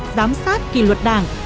giám sát kỳ luật đảng